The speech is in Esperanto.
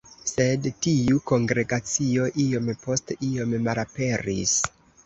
Sed tiu kongregacio iom post iom malaperis.